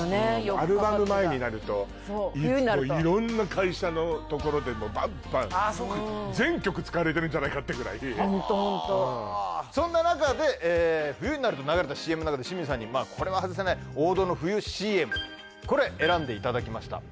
アルバム前になるといつもいろんな会社のところでもうバンバンホントホントそんな中で冬になると流れたＣＭの中で清水さんにこれは外せない王道の冬ＣＭこれ選んでいただきました